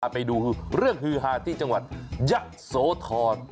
ไปดูเรื่องฮือหาที่จังหวัดยะโสธร